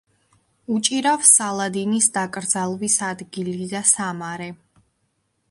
უჭირავს სალადინის დაკრძალვის ადგილი და სამარე.